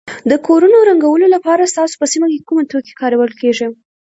د کورونو رنګولو لپاره ستاسو په سیمه کې کوم توکي کارول کیږي.